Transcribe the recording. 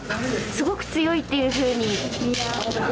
すごく強いっていうふうにみんな。